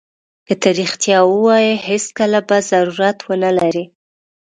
که ته رښتیا ووایې هېڅکله به ضرورت ونه لرې.